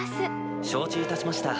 承知いたしました。